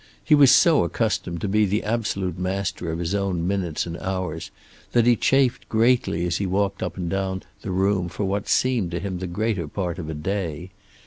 He was so accustomed to be the absolute master of his own minutes and hours that he chafed greatly as he walked up and down the room for what seemed to him the greater part of a day.